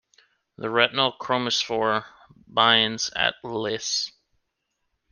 The retinal chromophore binds at Lys.